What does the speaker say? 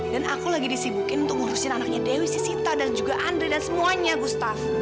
dan aku lagi disibukin untuk ngurusin anaknya dewi sita dan juga andre dan semuanya gustaf